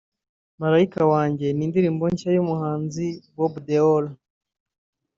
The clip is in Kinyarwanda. Malaika wanjye ni indirimbo nshya y’umuhanzi Bob Deol